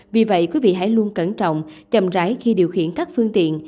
vì vậy quý vị hãy luôn cẩn trọng chậm rãi khi điều khiển các phương tiện